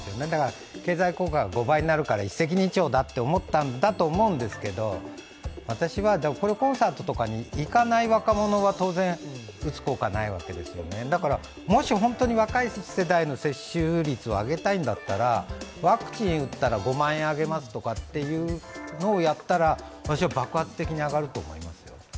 だから経済効果が５倍になるから一石二鳥だって思ったんだと思うんですけどコンサートとかに行かない若者は当然、打つ効果はないわけですよねだから、もし本当に若い世代の接種率を上げたいんだったらワクチン打ったら５万円あげますというのをやったら、私は爆発的に上がると思いますよ。